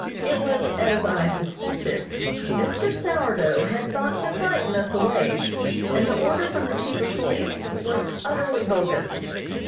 It was as I suspected. Mr. Sourdough had thought to frighten us away, and the order from the chief of police was utterly bogus.